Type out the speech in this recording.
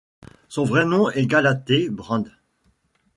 Son vrai nom est Galatée Brand.